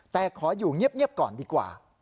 แต่ขออยู่เงียบก่อนดีกว่า